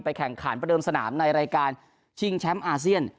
แข่งขันประเดิมสนามในรายการชิงแชมป์อาเซียน